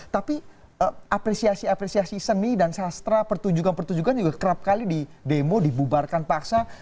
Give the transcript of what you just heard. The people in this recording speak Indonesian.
tapi apresiasi apresiasi seni dan sastra pertunjukan pertunjukan juga kerap kali di demo dibubarkan paksa